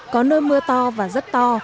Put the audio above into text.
có nơi mưa to và rất to